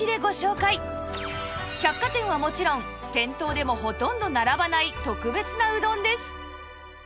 百貨店はもちろん店頭でもほとんど並ばない特別なうどんです